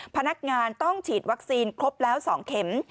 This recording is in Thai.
พนักงานต้องฉีดวัคซีนครบแล้ว๒เข็ม